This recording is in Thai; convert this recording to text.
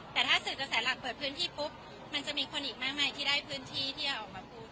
แต่ถ้าสื่อกระแสหลักเปิดพื้นที่ปุ๊บมันจะมีคนอีกมากมายที่ได้พื้นที่ที่จะออกมาพูด